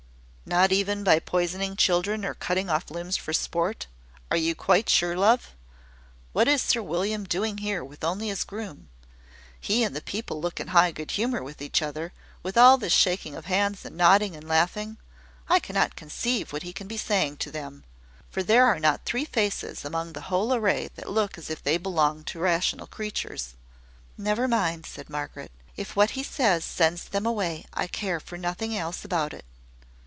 "Not even by poisoning children, nor cutting off limbs for sport? Are you quite sure, love? What is Sir William doing here, with only his groom? He and the people look in high good humour with each other, with all this shaking of hands, and nodding and laughing. I cannot conceive what he can be saying to them, for there are not three faces among the whole array that look as if they belonged to rational creatures." "Never mind," said Margaret. "If what he says sends them away, I care for nothing else about it."